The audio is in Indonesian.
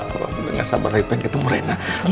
papa aku gak sabar lagi pengen ketemu rena